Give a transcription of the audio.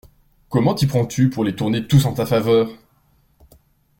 Comment t'y prends-tu pour les tourner tous en ta faveur!